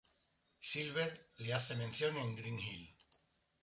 Silver le hace mención en Green Hill.